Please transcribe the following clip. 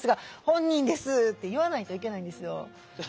「本人です」って言わないといけないんですよ。